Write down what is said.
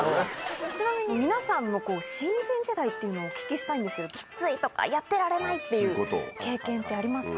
ちなみに皆さんの新人時代っていうのをお聞きしたいんですけど、きついとか、やってられないっていう経験ってありますか？